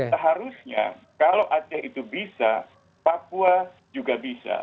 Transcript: seharusnya kalau aceh itu bisa papua juga bisa